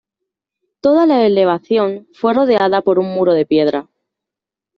Toda la elevación fue rodeada por un muro de piedra.